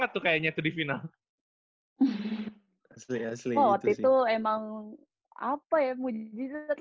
selesai menjadi negara merupakan peragama untuk ge jurankan holyfield ashraf rudo